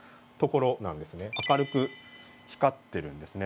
明るく光ってるんですね。